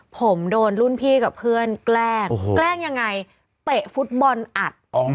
ผมโดนรุ่นพี่กับเพื่อนแกล้งแกล้งยังไงเตะฟุตบอลอัด